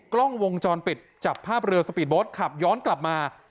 กล้องวงจรปิดจับภาพเรือสปีดโบสต์ขับย้อนกลับมา